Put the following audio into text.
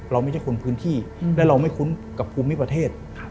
เราไม่ใช่คนพื้นที่และเราไม่คุ้นกับภูมิประเทศ